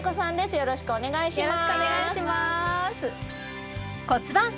よろしくお願いします